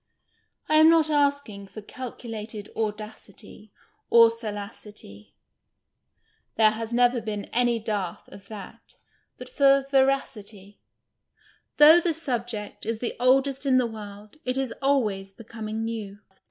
I am not asking for calculated " audacity "' or 164 THEATRICAL AM ORIS M salacity (there lias never been any dearth of that), but for veraeity. Though the siibjeet is the oldest in the world, it is always becoming new.